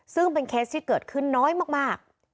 ซึ่งเป็นเคสที่เกิดขึ้นน้อยมาก